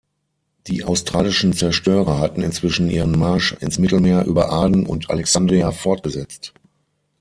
Die australischen Zerstörer hatten inzwischen ihren Marsch ins Mittelmeer über Aden und Alexandria fortgesetzt.